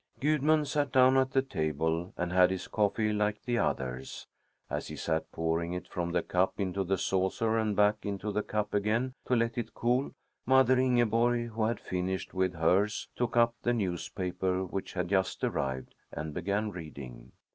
Gudmund sat down at the table and had his coffee like the others. As he sat pouring it from the cup into the saucer and back into the cup again to let it cool, mother Ingeborg, who had finished with hers, took up the newspaper, which had just arrived, and began reading.